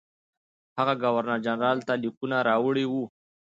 هغه ګورنرجنرال ته لیکونه راوړي وو.